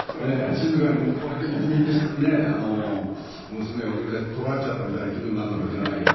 静かにもうこうやってうつむいて娘を送り出して取られちゃったみたいな気分になるのか知らないけども。